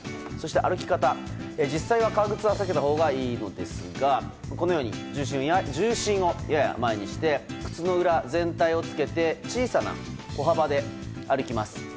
歩き方実際は革靴は避けたほうがいいんですが重心をやや前にして靴の裏全体をつけて小さな歩幅で歩きます。